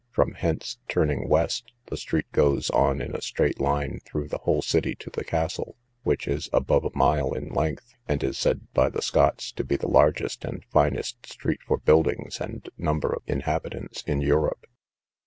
From hence, turning west, the street goes on in a straight line through the whole city to the castle, which is above a mile in length, and is said by the Scots to be the largest and finest street for buildings and number of inhabitants in Europe.